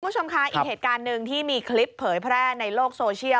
คุณผู้ชมคะอีกเหตุการณ์หนึ่งที่มีคลิปเผยแพร่ในโลกโซเชียล